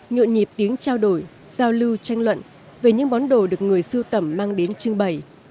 nhuộn nhịp tiếng trao đổi giao lưu tranh luận về những món đồ được người sưu tầm mang đến trưng bày